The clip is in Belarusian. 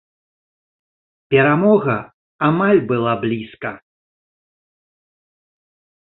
Перамога амаль была блізка.